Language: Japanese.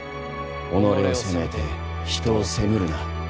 己を責めて人を責むるな。